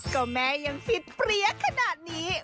ก็แม่ยังฟิตเปรี้ยขนาดนี้